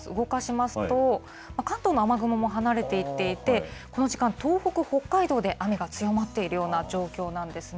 動かしますと、関東の雨雲も離れていっていて、この時間、東北、北海道で雨が強まっているような状況なんですね。